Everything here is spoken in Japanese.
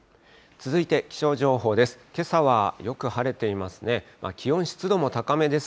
続いて気象情報です。